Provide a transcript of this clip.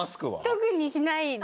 特にしないで。